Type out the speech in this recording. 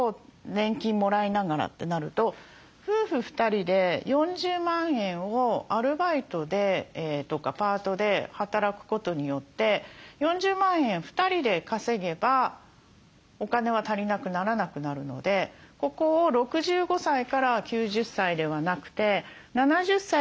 年金もらいながら」ってなると夫婦２人で４０万円をアルバイトとかパートで働くことによって４０万円２人で稼げばお金は足りなくならなくなるのでここを６５歳から９０歳ではなくて７０歳から９０歳までにできたりしますよね。